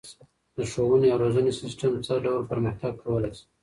د ښوونې او روزنې سيستم څه ډول پرمختګ کولای سي؟